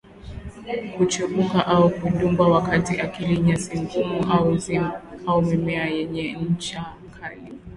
kuchubuka au kudungwa wakati akila nyasi ngumu au mimea yenye ncha kali